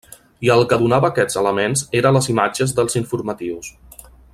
I el que donava aquests elements era les imatges dels informatius.